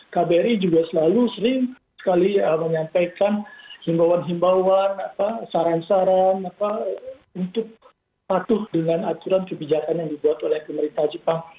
kbri juga selalu sering sekali menyampaikan himbauan himbauan saran saran untuk patuh dengan aturan kebijakan yang dibuat oleh pemerintah jepang